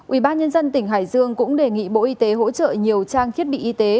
ubnd tỉnh hải dương cũng đề nghị bộ y tế hỗ trợ nhiều trang thiết bị y tế